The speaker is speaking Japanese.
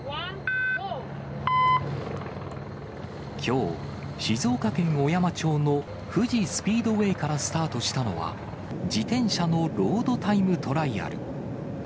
きょう、静岡県小山町の富士スピードウェイからスタートしたのは、自転車のロードタイムトライアル。